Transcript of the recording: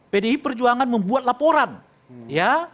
pdi perjuangan membuat laporan ya